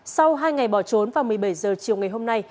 sau hai ngày bỏ trốn vào một mươi bảy h chiều ngày hôm nay